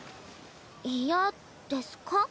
嫌ですか？